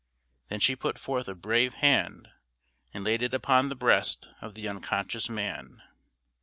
Then she put forth a brave hand, and laid it upon the breast of the unconscious man.